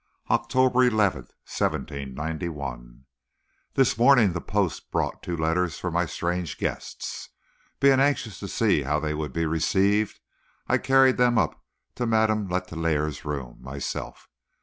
OCTOBER 11, 1791. This morning the post brought two letters for my strange guests. Being anxious to see how they would be received, I carried them up to Madame Letellier's room myself.